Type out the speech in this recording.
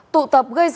tụ tập gây dối trị